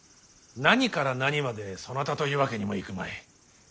何から何までそなたというわけにもいくまい。